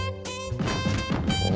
お？